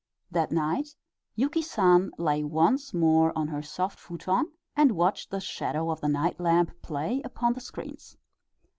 That night Yuki San lay once more on her soft futon and watched the shadow of the night lamp play upon the screens.